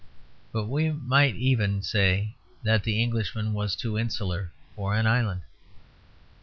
But we might even say that the Englishman was too insular for an island.